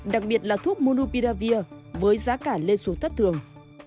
đặc biệt là thuốc monoperavia với giá cả lên xuống tất thường